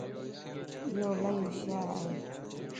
ايو الائي ھوشيار ائي